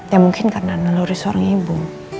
ya mungkin karena neluri seorang ibu